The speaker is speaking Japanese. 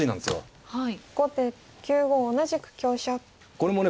これもね